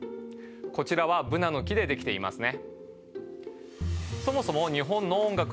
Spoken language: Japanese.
こちらはブナの木でできていますね。